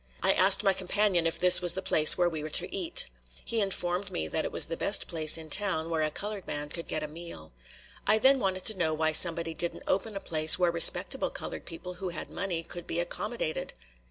I asked my companion if this was the place where we were to eat. He informed me that it was the best place in town where a colored man could get a meal. I then wanted to know why somebody didn't open a place where respectable colored people who had money could be accommodated.